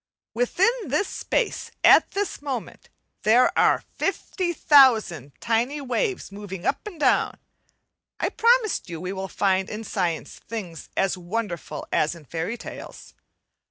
Within this space at this moment there are fifty thousand tiny waves moving up and down. I promised you we would find in science things as wonderful as in fairy tales.